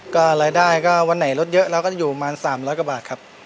ก็รายได้ก็วันไหนลดเยอะเราก็จะอยู่ประมาณ๓๐๐กว่าบาทครับ